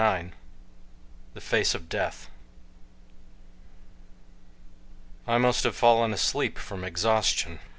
IX THE FACE OF DEATH I MUST HAVE FALLEN ASLEEP FROM EXHAUSTION.